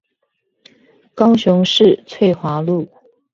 高雄市翠華路